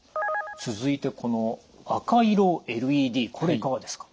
続いてこの赤色ＬＥＤこれいかがですか？